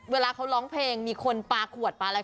เวลาเขาร้องเพลงมีคนปลาขวดปลาอะไร